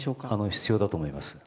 必要だと思います。